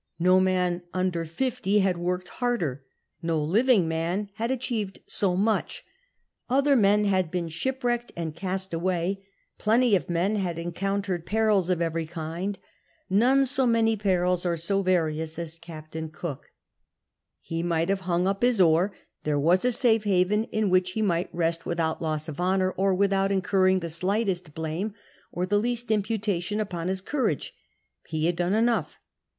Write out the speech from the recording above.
No man under fifty had worked harder ; no living man had achieved so much ; other men had been shipwrecked and cast away ; plenty of men had encountered perils of every kind; none so many perils or so various as Captain Cook. He might no CAPTAIN COON CHAP. have hung up his oar ; there was a safe haven in which he might rest without loss of honour, or without incur ring the slightest blame or the least imputation upon his courage. He had done enough.